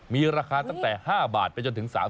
มีราคาตั้งแต่๕บาทไปจนถึง๓๐